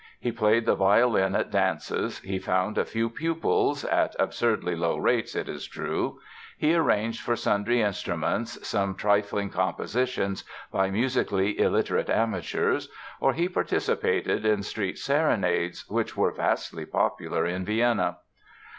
He played the violin at dances, he found a few pupils (at absurdly low rates, it is true), he arranged for sundry instruments some trifling compositions by musically illiterate amateurs; or he participated in street serenades, which were vastly popular in Vienna.